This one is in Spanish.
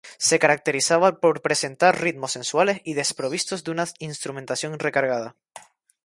Se caracterizaba por presentar ritmos sensuales y desprovistos de una instrumentación recargada.